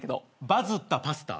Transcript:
「バズったパスタ」